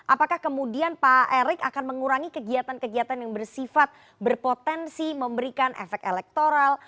apakah kemudian pak erik akan mengurangi kegiatan kegiatan yang bersifat berpotensi memberikan efek elektoral